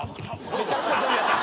めちゃくちゃゾンビやった。